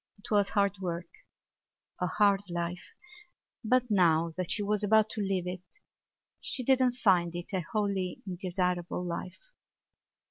It was hard work—a hard life—but now that she was about to leave it she did not find it a wholly undesirable life.